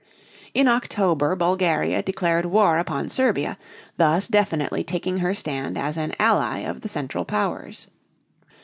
In October Bulgaria declared war upon Serbia, thus definitely taking her stand as an ally of the Central Powers.